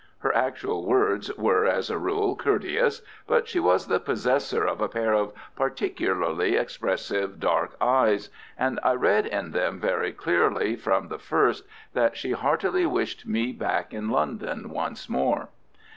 Her actual words were, as a rule, courteous, but she was the possessor of a pair of particularly expressive dark eyes, and I read in them very clearly from the first that she heartily wished me back in London once more.